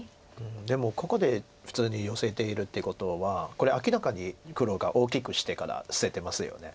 でもここで普通にヨセているということはこれ明らかに黒が大きくしてから捨ててますよね。